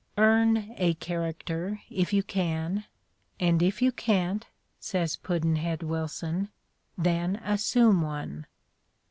'' Earn a character if you can, and if you can 't, '' says Pudd'nhead Wilson, "then assume one."